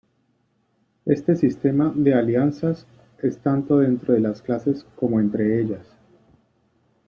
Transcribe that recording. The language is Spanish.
Este sistema de alianzas es tanto dentro de las clases como entre ellas.